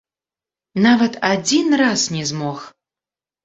Нават адзін раз не змог!